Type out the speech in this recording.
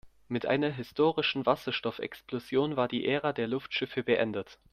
Mit einer historischen Wasserstoffexplosion war die Ära der Luftschiffe beendet.